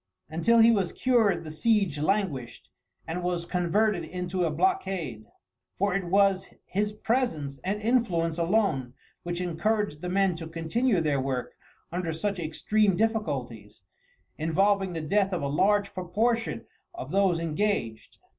Until he was cured the siege languished, and was converted into a blockade, for it was his presence and influence alone which encouraged the men to continue their work under such extreme difficulties, involving the death of a large proportion of those engaged.